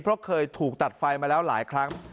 เพราะเคยถูกตัดไฟมาแล้วหลายครั้ง